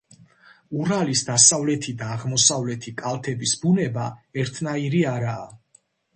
ურალის დასავლეთი და აღმოსავლეთი კალთების ბუნება ერთნაირი არაა.